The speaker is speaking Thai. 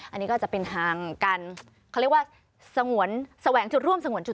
อันนี้ก็จะเป็นทางการ